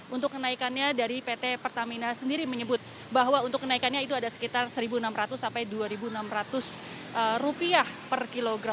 untuk kenaikannya dari pt pertamina sendiri menyebut bahwa untuk kenaikannya itu ada sekitar rp satu enam ratus sampai rp dua enam ratus per kilogram